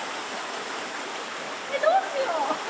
どうしよう。